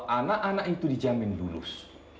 anak anak itu dijamin lulus